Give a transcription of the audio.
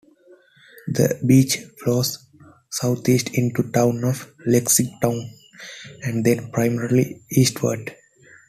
The Beech flows southeast into the town of Lexington and then primarily eastward.